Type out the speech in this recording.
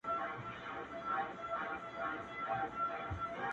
• ته کامیاب یې تا تېر کړی تر هرڅه سخت امتحان دی,